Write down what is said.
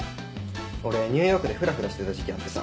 俺ニューヨークでフラフラしてた時期あってさ。